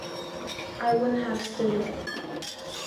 I wouldn't have stood it.